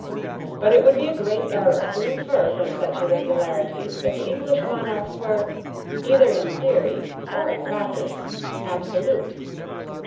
But it would be a great error to infer from such irregularities that the English monarchs were, either in theory or in practice, absolute.